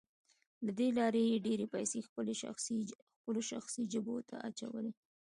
له دې لارې یې ډېرې پیسې خپلو شخصي جیبونو ته اچولې